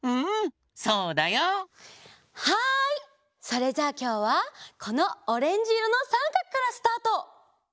それじゃあきょうはこのオレンジいろのさんかくからスタート。